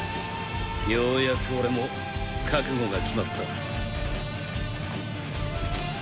ようやく俺も覚悟が決まった。